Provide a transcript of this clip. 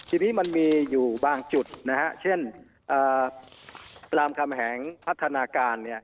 ทีนี้มันมีอยู่บางจุดนะฮะเช่นรามคำแหงพัฒนาการ